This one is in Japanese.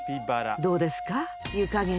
どうですか？